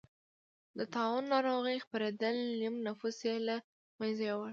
د طاعون ناروغۍ خپرېدل نییم نفوس یې له منځه یووړ.